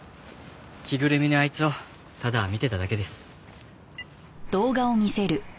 着ぐるみのあいつをただ見てただけです。